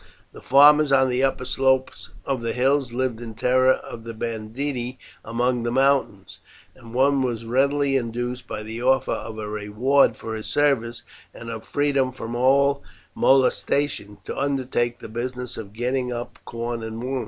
The farmers on the upper slopes of the hills lived in terror of the banditti among the mountains, and one was readily induced, by the offer of a reward for his service, and of freedom from all molestation, to undertake the business of getting up corn and wine.